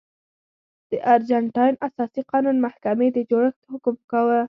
د ارجنټاین اساسي قانون محکمې د جوړښت حکم کاوه.